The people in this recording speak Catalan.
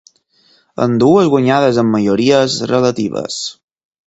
Ambdues guanyades amb majories relatives.